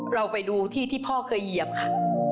เราไปดูที่ที่พ่อเคยเหยียบค่ะ